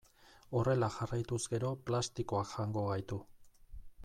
Horrela jarraituz gero plastikoak jango gaitu.